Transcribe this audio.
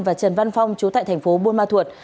và trần văn phong chú tại thành phố buôn ma thuột